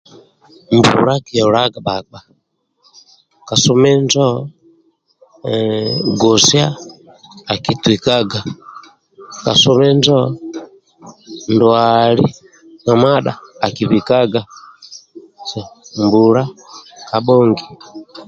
Mbula akiolaga bhakpa, kasumi Injo, ehi gusia akitwikaga, kasumi Injo nduali mamadha akibikaga nhi mbula kabhongi